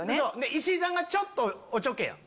石井さんがちょっとおちょけやん。